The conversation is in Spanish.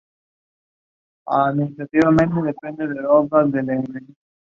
Fue protagonizada por Vincent Price, Ian Ogilvy, Hilary Dwyer y Robert Russell.